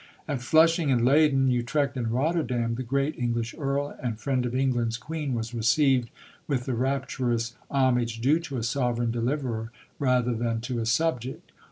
At Flushing and Leyden, Utrecht and Rotterdam, the great English Earl and friend of England's Queen was received with the rapturous homage due to a Sovereign deliverer rather than to a subject.